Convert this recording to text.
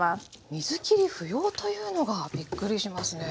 水きり不要というのがびっくりしますね。